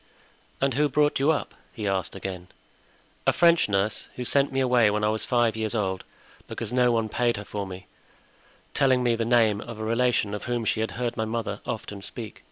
"And who brought you up?" he asked again. "A French nurse, who sent me away when I was five years old because no one paid her for me, telling me the name of a relation of whom she had heard my mother often speak."